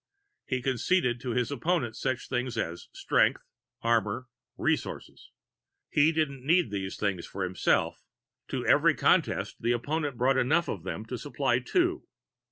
He conceded to his opponent such things as Strength, Armor, Resource. He didn't need these things for himself; to every contest, the opponent brought enough of them to supply two.